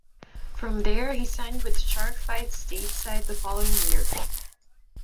From there, he signed with Shark Fights stateside the following year.